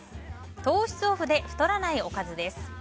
糖質オフで太らないおかずです。